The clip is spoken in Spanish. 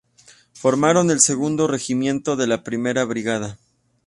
Formaron el Segundo Regimiento de la Primera Brigada.